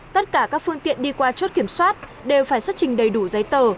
tất cả các phương tiện đi qua chốt kiểm soát đều phải xuất trình đầy đủ giấy tờ